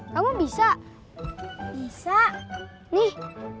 jatuh bisa nih